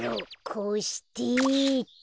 こうしてっと。